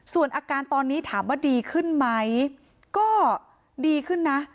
ส่วนอาการตอนนี้ถามว่าดีขึ้นไหมก็ดีขึ้นนะ